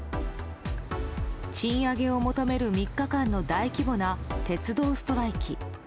賃上げを求める３日間の大規模な鉄道ストライキ。